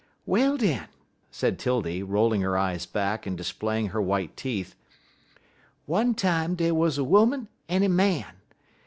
"Well, den," said 'Tildy, rolling her eyes back and displaying her white teeth, "one time dey wuz a 'Oman en a Man.